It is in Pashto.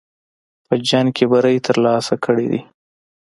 په جنګ کې بری ترلاسه کړی دی.